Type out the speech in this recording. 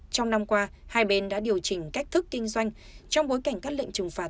trong năm qua hai bên đã điều chỉnh cách thức kinh doanh trong bối cảnh các lệnh trừng phạt